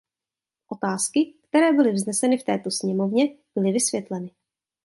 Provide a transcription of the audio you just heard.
Otázky, které byly vzneseny v této sněmovně, byly vysvětleny.